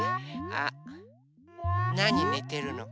なにねてるの？